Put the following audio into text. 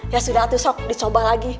ya sudah tuh sok dicoba lagi